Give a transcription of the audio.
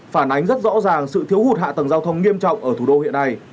phản ánh rất rõ ràng sự thiếu hụt hạ tầng giao thông nghiêm trọng ở thủ đô hiện nay